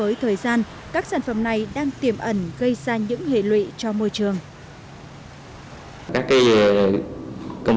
với thời gian các sản phẩm này đang tiềm ẩn gây ra những hệ lụy cho môi trường